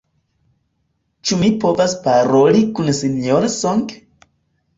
Ĉu mi povas paroli kun Sinjoro Song?